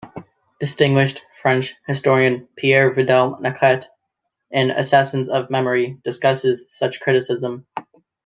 Distinguished French historian Pierre Vidal-Naquet, in "Assassins of Memory", discusses such criticism.